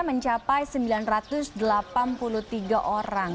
mencapai sembilan ratus delapan puluh tiga orang